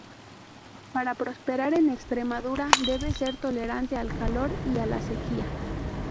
Para prosperar en Extremadura, debe ser tolerante al calor y la sequía.